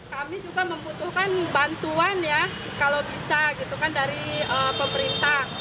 kami juga membutuhkan bantuan ya kalau bisa gitu kan dari pemerintah